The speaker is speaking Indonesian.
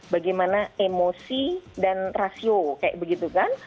bagaimana emosi dan rasio kayak begitu kan